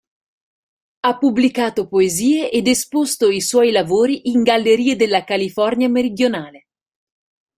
Ha pubblicato poesie ed esposto i suoi lavori in gallerie della California meridionale.